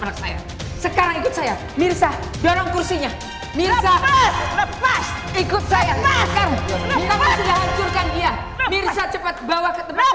kamu sudah hancurkan anak saya